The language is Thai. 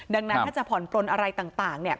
ดังนั้นถ้าจะผ่อนปลนอะไรต่าง